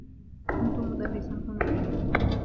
كنت مدرّسا هناك.